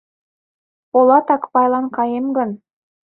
Полат Акпайлан каем гын...